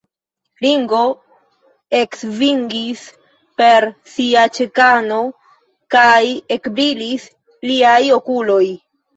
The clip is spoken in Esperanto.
Ringo eksvingis per sia ĉekano, kaj ekbrilis liaj okuloj.